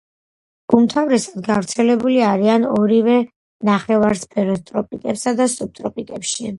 უმთავრესად გავრცელებული არიან ორივე ნახევარსფეროს ტროპიკებსა და სუბტროპიკებში.